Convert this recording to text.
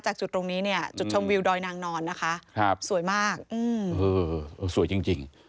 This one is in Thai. จากจุดตรงนี้เนี่ยจุดชมวิวดอยนางนอนนะคะครับสวยมากอืมเออสวยจริงจริง